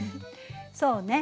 そうね